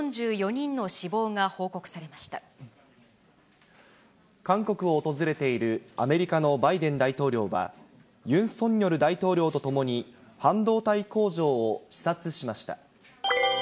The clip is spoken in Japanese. また、韓国を訪れているアメリカのバイデン大統領は、ユン・ソンニョル大統領と共に半導体工場を視察しました。